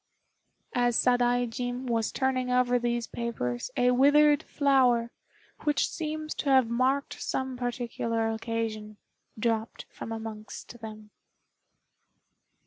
As Sadaijin was turning over these papers a withered flower, which seems to have marked some particular occasion, dropped from amongst them.